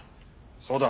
そうだ。